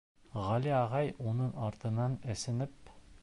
Ғәли ағай уның артынан, әсенеп: